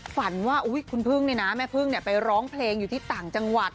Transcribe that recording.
ฝันว่าคุณพึ่งเนี่ยนะแม่พึ่งไปร้องเพลงอยู่ที่ต่างจังหวัด